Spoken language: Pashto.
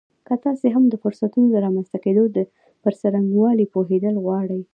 که تاسې هم د فرصتونو د رامنځته کېدو پر څرنګوالي پوهېدل غواړئ